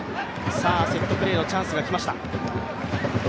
セットプレーのチャンスがきました。